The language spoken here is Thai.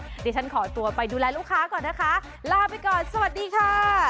เดี๋ยวฉันขอตัวไปดูแลลูกค้าก่อนนะคะลาไปก่อนสวัสดีค่ะ